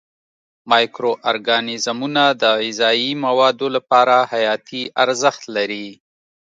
مایکرو ارګانیزمونه د غذایي موادو لپاره حیاتي ارزښت لري.